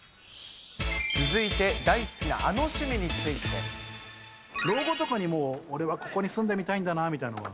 続いて、大好きなあの趣味に老後とかにもう、俺はここに住んでみたいみたいなのは。